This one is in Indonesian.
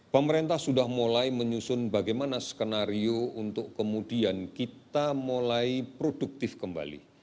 pemerintah sudah mulai menyusun bagaimana skenario untuk kemudian kita mulai produktif kembali